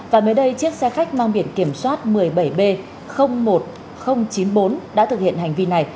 và mới đây chiếc xe khách mang biển kiểm soát một mươi bảy b một nghìn chín mươi bốn đã thực hiện hành vi này